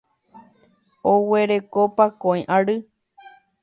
Oguereko pakõi ary.